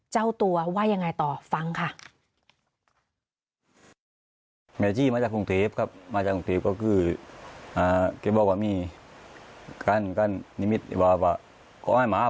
เจ้าตัวว่ายังไงต่อฟังค่ะ